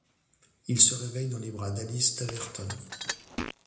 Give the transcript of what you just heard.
Il se réveille dans les bras d'Alice Staverton.